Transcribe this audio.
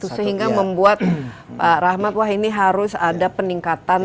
sehingga membuat pak rahmat wah ini harus ada peningkatan